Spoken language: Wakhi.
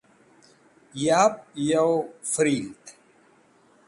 yet'ep yow freld